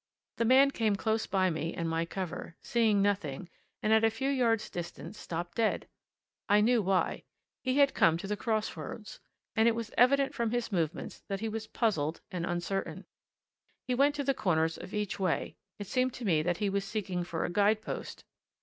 The man came close by me and my cover, seeing nothing, and at a few yards' distance stopped dead. I knew why. He had come to the cross roads, and it was evident from his movements that he was puzzled and uncertain. He went to the corners of each way: it seemed to me that he was seeking for a guide post.